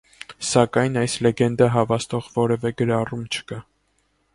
Սակայն այս լեգենդը հավաստող որևէ գրառում չկա։